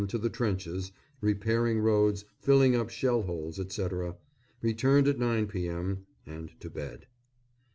to the trenches, repairing roads, filling up shell holes, etc. Returned at 9 p.m., and to bed.